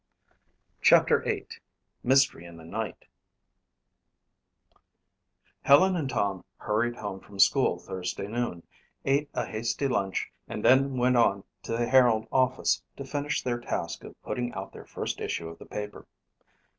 CHAPTER VIII Mystery in the Night Helen and Tom hurried home from school Thursday noon, ate a hasty lunch and then went on to the Herald office to finish their task of putting out their first issue of the paper.